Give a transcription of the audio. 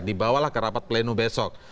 dibawalah ke rapat pleno besok